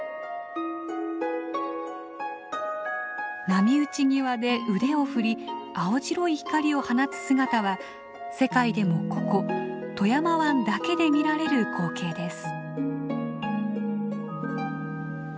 波打ち際で腕を振り青白い光を放つ姿は世界でもここ富山湾だけで見られる光景です。